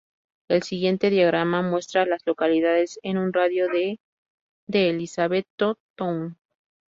El siguiente diagrama muestra a las localidades en un radio de de Elizabethtown.